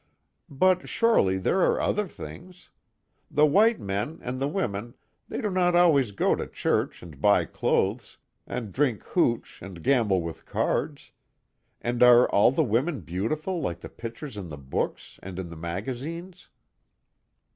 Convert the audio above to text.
But, surely, there are other things. The white men, and the women, they do not always go to church and buy clothes, and drink hooch, and gamble with cards. And are all the women beautiful like the pictures in the books, and in the magazines?"